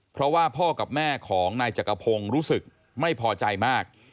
เพราะว่าพ่อกับแม่ของนายจักรพงศ์รู้สึกไม่พอใจมาก